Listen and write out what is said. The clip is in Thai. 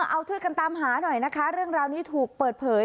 เอาช่วยกันตามหาหน่อยนะคะเรื่องราวนี้ถูกเปิดเผย